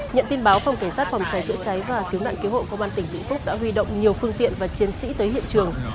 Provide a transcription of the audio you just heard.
nhận tin báo phòng cảnh sát phòng cháy chữa cháy và cứu nạn cứu hộ công an tỉnh vĩnh phúc đã huy động nhiều phương tiện và chiến sĩ tới hiện trường